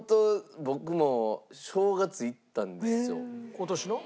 今年の？